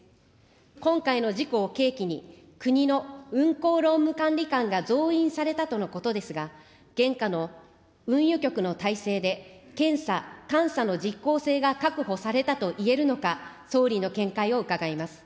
今回の事故を契機に国の運航労務管理官が増員されたとのことですが、現下の運輸局の体制で、検査・監査の実効性が確保されたといえるのか、総理の見解を伺います。